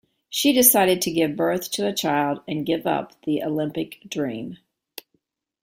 She decided to give birth to a child and give up the Olympic dream.